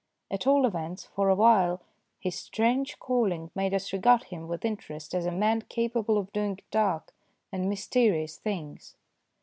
At all events, for a while his strange calling made us regard him with interest as a man capable of doing dark and mysterious things.